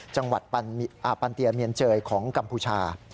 จังหวัดปันเตียเมียนเจยของกัมพูชา